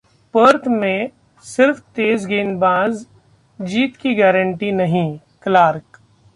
Perth में सिर्फ तेज गेंदबाज जीत की गारंटी नहीं: क्लार्क